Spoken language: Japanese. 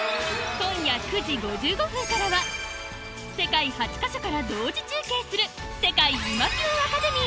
今夜９時５５分からは世界８カ所から同時中継する『世界イマキュン☆アカデミー』